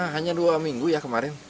hanya dua minggu ya kemarin